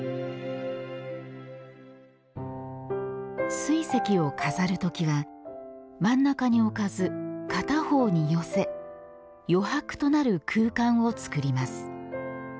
水石を飾るときは真ん中に置かず片方に寄せ余白となる空間を作ります。